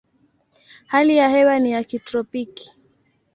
Hali ya hewa ni ya kitropiki.